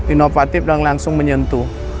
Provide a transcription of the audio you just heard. inovatif dan langsung menyentuh